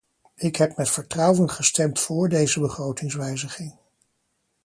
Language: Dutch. Ik heb met vertrouwen gestemd voor deze begrotingswijziging.